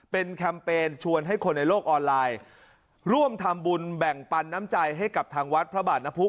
เป็นแคมเปญชวนให้คนในโลกออนไลน์ร่วมทำบุญแบ่งปันน้ำใจให้กับทางวัดพระบาทนพุก